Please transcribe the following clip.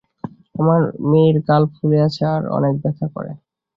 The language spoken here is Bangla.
আমার মেয়ের গাল ফুলে আছে আর অনেক ব্যথা করে।